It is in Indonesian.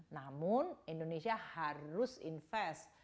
namun indonesia harus invest